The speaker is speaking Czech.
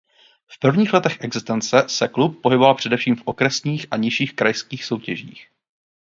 V prvních letech existence se klub pohyboval především v okresních a nižších krajských soutěžích.